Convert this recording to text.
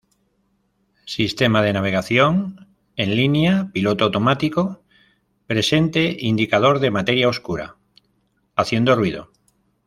Sistema de navegación: en línea, piloto automático: presente, indicador de materia oscura: haciendo ruido.